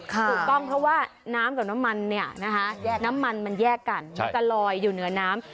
ถูกต้องเพราะว่าน้ำกับน้ำมันเนี่ยนะคะน้ำมันมันแยกกันมันจะลอยอยู่เหนือน้ำ